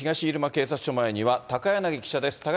入間警察署前には高柳記者です。